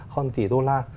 hơn tỷ đô la